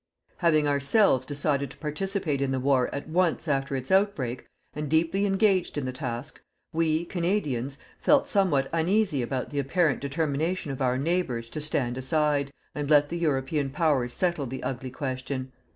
Having ourselves decided to participate in the war at once after its outbreak, and deeply engaged in the task, we, Canadians, felt somewhat uneasy about the apparent determination of our neighbours to stand aside, and let the European Powers settle the ugly question.